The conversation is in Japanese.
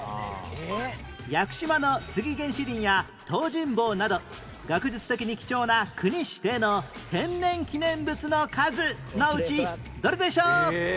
屋久島のスギ原始林や東尋坊など学術的に貴重な国指定の天然記念物の数のうちどれでしょう？